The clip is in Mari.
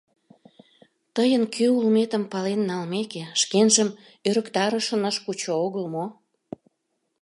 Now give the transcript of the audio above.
Тыйын кӧ улметым пален налмеке, шкенжым ӧрыктарышын ыш кучо огыл мо?